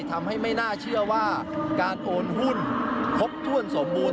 ทำให้ไม่น่าเชื่อว่าการโอนหุ้นครบถ้วนสมบูรณ